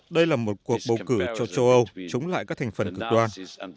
đây là một cuộc bầu cử cho châu âu chống lại các thành phần cực đoan